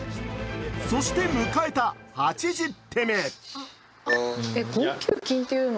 そして迎えた８０手目。